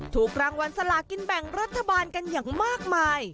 ถูกรางวัลสลากินแบ่งรัฐบาลกันอย่างมากมาย